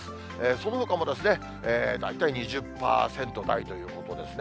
そのほかも大体２０％台ということですね。